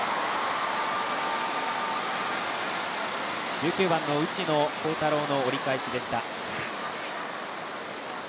１９番の内野航太郎の折り返しでした。